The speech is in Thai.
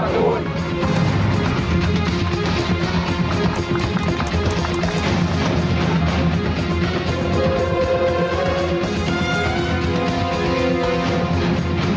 ๔ต้องมีการปฏิรูปสถาบันกษัตริย์ของการบุญชาวโอชาจากที่บุญมีการส่งแบบนี้